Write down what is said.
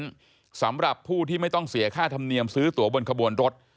สำหรับผู้ที่ไม่ต้องเสียค่าธรรมเนียมซื้อตัวบนขบวนรถ